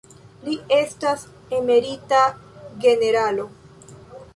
Li estas emerita generalo.